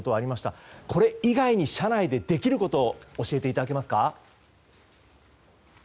これ以外に車内でできることを教えていただけますか。